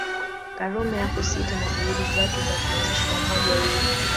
Karume hakusita na juhudi zake za kuanzisha umoja huo